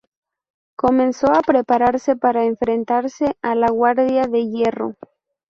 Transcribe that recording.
Comenzó a prepararse para enfrentarse a la Guardia de Hierro.